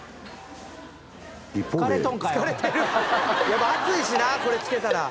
「やっぱ暑いしなこれ着てたら」